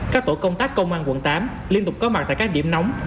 các tổ công tác công an quận tám liên tục có mặt tại các điểm nóng